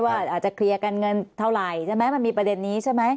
อาจจะเคลียร์กันเงินเท่าไหร่ใช่ไหมมันมีประเด็นนี้ใช่ไหม